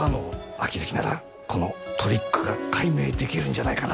秋月ならこのトリックが解明できるんじゃないかなって。